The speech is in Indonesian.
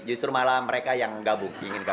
justru malah mereka yang gabung